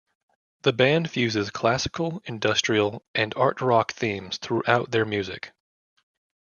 The band fuses classical, industrial, and art-rock themes throughout their music.